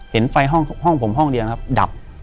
เห็นไฟห้องผมห้องเดียวนะครับดับ